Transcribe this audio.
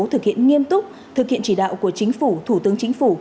thực hiện nghiêm túc thực hiện chỉ đạo của chính phủ thủ tướng chính phủ